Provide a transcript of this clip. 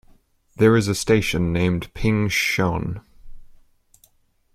There is a station named "Ping Shan".